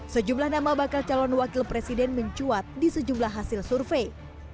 sejumlah nama bakal calon wakil presiden mencuat di sejumlah hasil survei